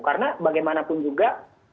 karena bagaimanapun juga